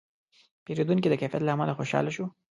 پیرودونکی د کیفیت له امله خوشاله شو.